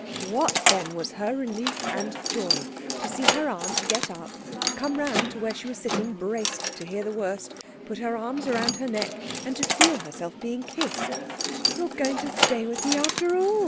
What then was her relief and joy to see her aunt get up, come round to where she was sitting braced to hear the worst, put her arms round her neck, and to feel herself being kissed. "You are going to stay with me after all!"